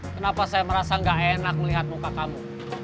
kenapa saya merasa gak enak melihat muka kamu